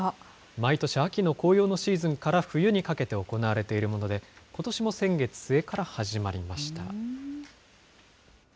毎年秋の紅葉のシーズンから冬にかけて行われているもので、ことしも先月末から始まりました。